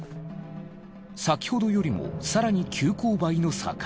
先ほどよりも更に急勾配の坂。